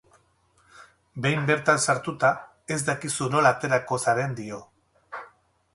Behin bertan sartuta, ez dakizu nola aterako zaren, dio.